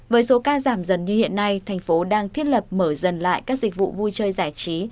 với số ca giảm dần như hiện nay thành phố đang thiết lập mở dần lại các dịch vụ vui chơi giải trí